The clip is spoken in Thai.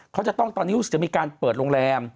เขาจะต้องตอนนี้รู้สึกจะมีการเปิดโรงแรม